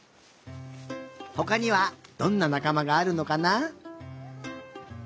ほかにはどんななかまがあるのかな？